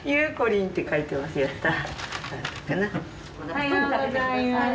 おはようございます。